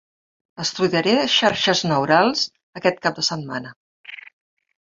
Estudiaré Xarxes Neurals aquest cap de setmana.